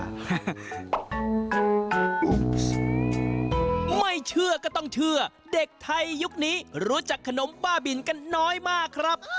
ไม่เชื่อก็ต้องเชื่อเด็กไทยยุคนี้รู้จักขนมบ้าบินกันน้อยมากครับ